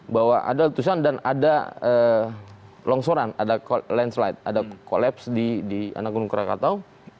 bahwa ada letusan dan ada longsoran ada landslide ada collapse di anakunung rakatau